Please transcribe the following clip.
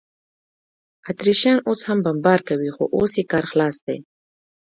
اتریشیان اوس هم بمبار کوي، خو اوس یې کار خلاص دی.